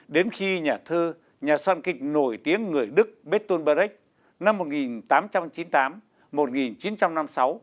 đến khi nhà thơ nhà soạn kịch nổi tiếng người đức bertol brecht năm một nghìn tám trăm chín mươi tám một nghìn chín trăm năm mươi sáu